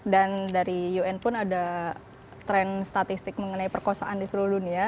dan dari un pun ada tren statistik mengenai perkosaan di seluruh dunia